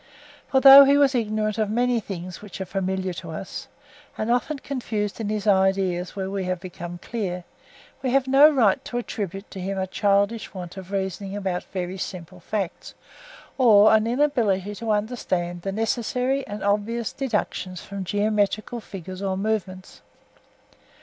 For though he was ignorant of many things which are familiar to us, and often confused in his ideas where we have become clear, we have no right to attribute to him a childish want of reasoning about very simple facts, or an inability to understand the necessary and obvious deductions from geometrical figures or movements.